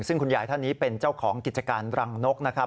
ซึ่งคุณยายท่านนี้เป็นเจ้าของกิจการรังนกนะครับ